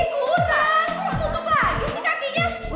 bukan nih buka